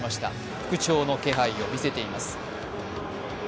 復調の気配を見せています。